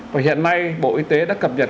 và hiện nay bộ y tế đã cập nhật